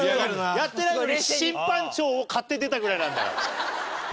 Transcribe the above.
やってないのに審判長を買って出たぐらいなんだから。